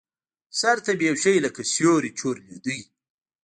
سر ته مې يو شى لکه سيورى چورلېده.